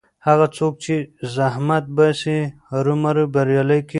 هغه څوک چې زحمت باسي هرو مرو بریالی کېږي.